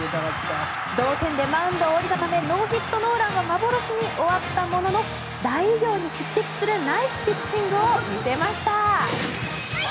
同点でマウンドを降りたためノーヒット・ノーランは幻に終わったものの大偉業に匹敵するナイスピッチングを見せました。